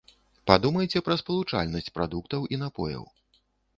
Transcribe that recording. Падумайце пра спалучальнасць прадуктаў і напояў.